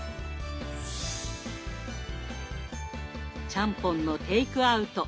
ちゃんぽんのテイクアウト。